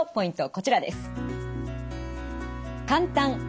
こちらです。